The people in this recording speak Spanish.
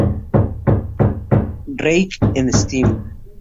Rake en Steam.